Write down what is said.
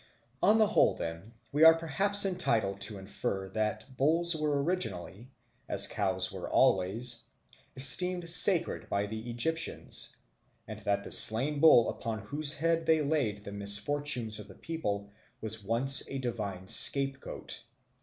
On the whole, then, we are perhaps entitled to infer that bulls were originally, as cows were always, esteemed sacred by the Egyptians, and that the slain bull upon whose head they laid the misfortunes of the people was once a divine scapegoat.